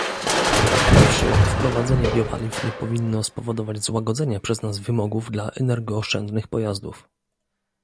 Po pierwsze wprowadzenie biopaliw nie powinno spowodować złagodzenia przez nas wymogów dla energooszczędnych pojazdów